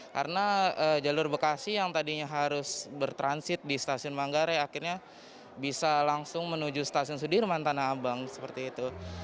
karena jalur bekasi yang tadinya harus bertransit di stasiun manggarai akhirnya bisa langsung menuju stasiun sudirman tanah abang seperti itu